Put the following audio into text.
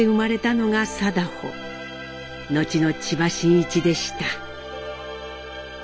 後の千葉真一でした。